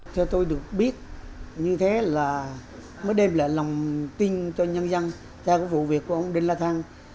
theo tôi được biết như thế là mới đem lại lòng tin cho nhân dân cho cái vụ việc của ông đinh la thăng